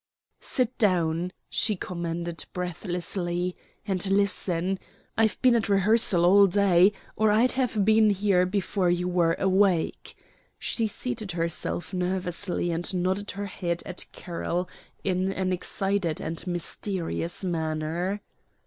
"Sit down," she commanded breathlessly; "and listen. I've been at rehearsal all day, or I'd have been here before you were awake." She seated herself nervously and nodded her head at Carroll in an excited and mysterious manner.